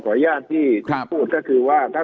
ขวายศศีลพูดจะการผ่านกว่า